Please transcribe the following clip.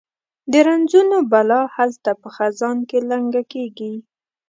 د رنځونو بلا هلته په خزان کې لنګه کیږي